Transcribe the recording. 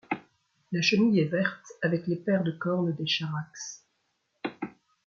La chenille est verte avec les paires de cornes des Charaxes.